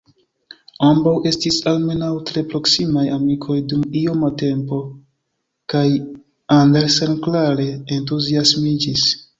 Ambaŭ estis, almenaŭ, tre proksimaj amikoj dum ioma tempo kaj Andersen klare entuziasmiĝis.